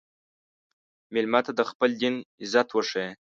مېلمه ته د خپل دین عزت وښیه.